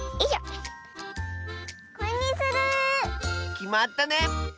きまったね！